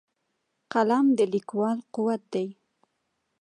قلم د لیکوال قوت دی